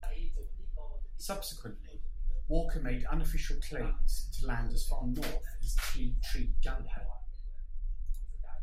Subsequently, Walker made unofficial claims to land as far north as Tea Tree Gully.